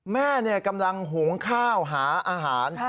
แม่กำลังหุงข้าวหาอาหาร